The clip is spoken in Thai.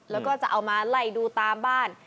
แล้วก็จะเอามาไล่ดูตามบ้าน